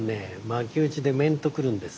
巻き打ちで面と来るんです。